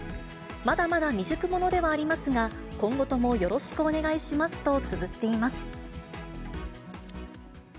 まだまだ未熟ものではありますが、今後ともよろしくお願いしますとつづっています。